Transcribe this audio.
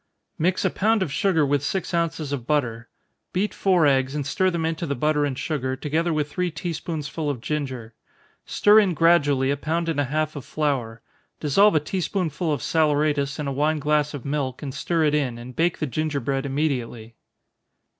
_ Mix a pound of sugar with six ounces of butter. Beat four eggs, and stir them into the butter and sugar, together with three tea spoonsful of ginger. Stir in gradually a pound and a half of flour dissolve a tea spoonful of saleratus in a wine glass of milk, and stir it in, and bake the gingerbread immediately.